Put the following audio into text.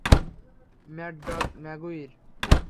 Mad Dog ম্যাগুইর?